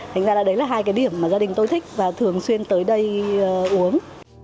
thành ra là đấy là hai cái điểm mà gia đình tôi thích và thường xuyên tới đây uống